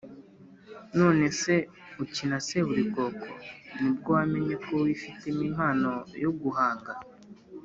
none se ukina seburikoko ni bwo wamenye ko wifitemo impano yo guhanga?